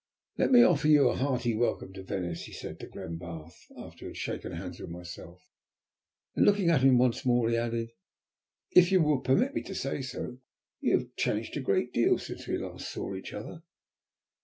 "Let me offer you a hearty welcome to Venice," he said to Glenbarth after he had shaken hands with myself. Then looking at him once more, he added, "If you will permit me to say so, you have changed a great deal since we last saw each other."